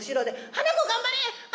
花子頑張れ！」